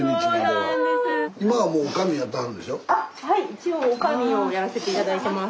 一応おかみをやらせて頂いてます。